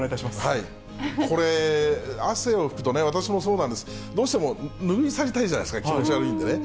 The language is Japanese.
これ、汗を拭くとね、私もそうなんです、どうしても拭い去りたいじゃないですか、気持ち悪いんでね。